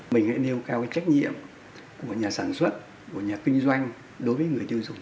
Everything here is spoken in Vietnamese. mình hãy nêu cao cái trách nhiệm của nhà sản xuất của nhà kinh doanh đối với người tiêu dùng